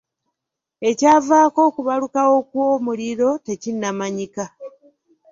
Ekyavaako okubalukawo kw'omuliro tekinnamanyika.